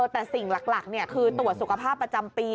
แต่สิ่งหลักคือตรวจสุขภาพประจำปี